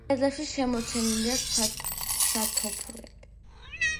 კედლებში შემორჩენილია სათოფურები.